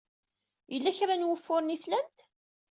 Yella kra n wufuren ay tlamt?